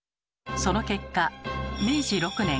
その結果明治６年。